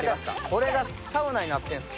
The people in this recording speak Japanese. これがサウナになっているの？